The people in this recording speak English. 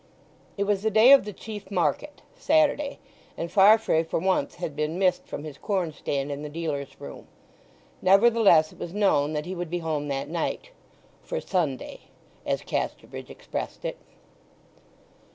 It was the day of the chief market—Saturday—and Farfrae for once had been missed from his corn stand in the dealers' room. Nevertheless, it was known that he would be home that night—"for Sunday," as Casterbridge expressed it.